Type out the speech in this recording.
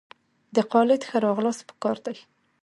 د خالد ښه راغلاست په کار دئ!